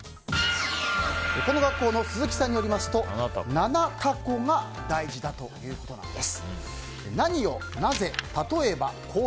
この学校の鈴木さんによると「ななたこ」が大事だということなんです。